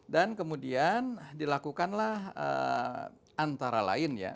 dan kemudian dilakukanlah antara lain ya